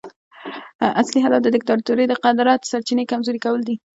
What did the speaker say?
اصلي هدف د دیکتاتورۍ د قدرت سرچینې کمزوري کول دي.